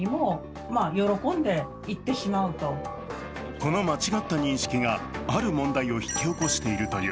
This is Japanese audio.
この間違った認識がある問題を引き起こしているという。